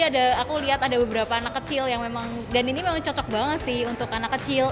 ada aku lihat ada beberapa anak kecil yang memang dan ini memang cocok banget sih untuk anak kecil